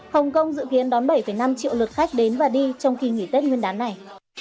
hồng kông dự kiến đón bảy năm triệu lượt khách đến và đi trong kỳ nghỉ tết nguyên đán này